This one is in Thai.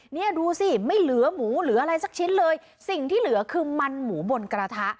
เนี่ยดูสิไม่เหลือหมูหรืออะไรสักชิ้นเลยสิ่งที่เหลือคือมันหมูบนกระทะ